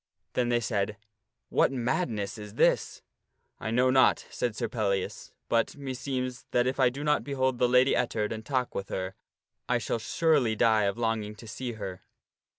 Then they said, " What madness is this ?" "I know not," said Sir Pellias, " but, meseems, that if I do not behold the Lady Ettard and talk with her I shall surely die of longing to see her."